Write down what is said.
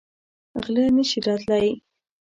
غله نه شي راتلی.